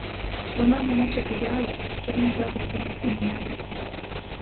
Вона неначе боялась, що він ззаду кинеться на неї.